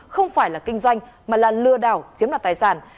không phải là kinh doanh mà là lừa đảo chiếm đoạt tài sản